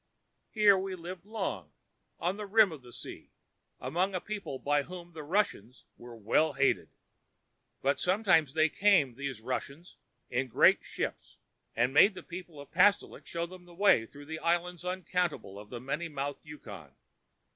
Here we lived long, on the rim of the sea, among a people by whom the Russians were well hated. But sometimes they came, these Russians, in great ships, and made the people of Pastolik show them the way through the islands uncountable of the many mouthed Yukon.